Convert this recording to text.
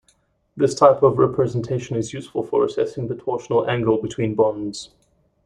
This type of representation is useful for assessing the torsional angle between bonds.